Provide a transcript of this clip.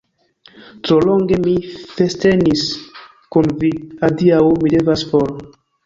Tro longe mi festenis kun vi, adiaŭ, mi devas for!